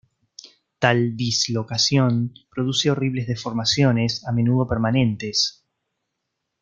Tal dislocación produce horribles deformaciones, a menudo permanentes.